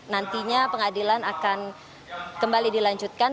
nantinya pengadilan akan kembali dilanjutkan